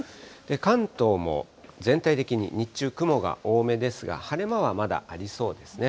関東も全体的に日中、雲が多めですが、晴れ間はまだありそうですね。